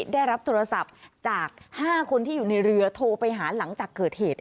ได้รับโทรศัพท์จาก๕คนที่อยู่ในเรือโทรไปหาหลังจากเกิดเหตุ